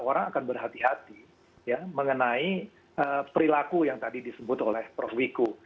orang akan berhati hati mengenai perilaku yang tadi disebut oleh prof wiku